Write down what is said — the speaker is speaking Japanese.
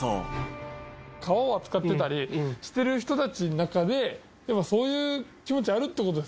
革を扱ってたりしてる人たちの中でそういう気持ちあるって事ですね。